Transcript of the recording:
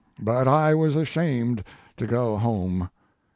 But I was ashamed to go home.